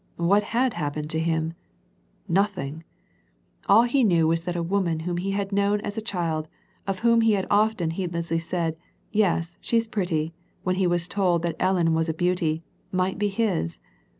What had happened to him ? Nothing ! All he knew was that a woman, whom he had known as a child, of whom he had often heedlessly said, " Yes, she's pretty," when he was told that Ellen was a beauty, might be his.